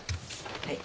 はい。